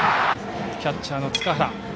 キャッチャーの塚原。